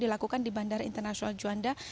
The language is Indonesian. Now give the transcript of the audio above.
dilakukan di bandara internasional juanda